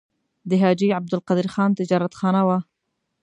د حاجي عبدالقدیر خان تجارتخانه وه.